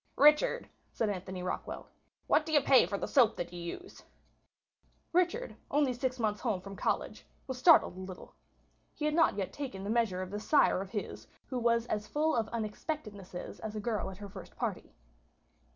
"Richard," said Anthony Rockwall, "what do you pay for the soap that you use?" Richard, only six months home from college, was startled a little. He had not yet taken the measure of this sire of his, who was as full of unexpectednesses as a girl at her first party.